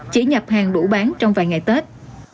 chỉ nhập hàng đủ bán trong vài ngày tết